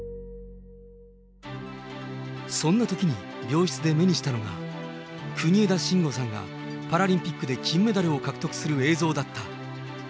そんなときに病室で目にしたのが、国枝慎吾さんがパラリンピックで金メダルを獲得する映像だった。